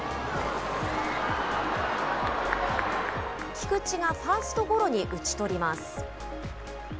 菊池がファーストゴロに打ち取ります。